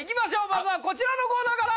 まずはこちらのコーナーから！